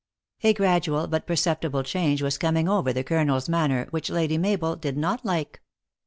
A gradual but perceptible change was coining over the colonel s manner, which Lady Mabel did not like.